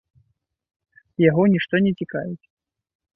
Яго нішто не цікавіць.